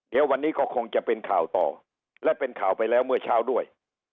เดี๋ยววันนี้ก็คงจะเป็นข่าวต่อและเป็นข่าวไปแล้วเมื่อเช้าด้วย